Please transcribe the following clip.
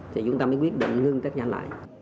thì chúng ta mới quyết định ngưng test nhanh lại